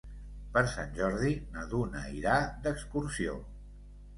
Per Sant Jordi na Duna irà d'excursió.